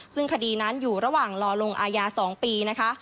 ซึ่งคดีนั้นอยู่ระหว่างรอลงอาญา๒ปีนะคะ